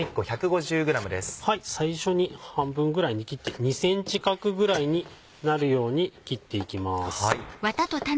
最初に半分ぐらいに切って２ｃｍ角ぐらいになるように切っていきます。